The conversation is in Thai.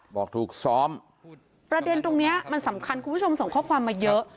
บอกถูกซ้อมประเด็นตรงนี้มันสำคัญคุณผู้ชมส่งข้อความมาเยอะ